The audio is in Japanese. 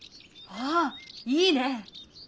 ああいいね！